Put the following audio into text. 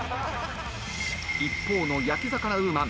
一方の焼き魚ウーマン。